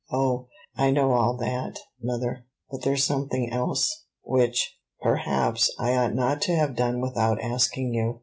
"O, I know all that, mother; but there's something else, which, perhaps, I ought not to have done without asking you.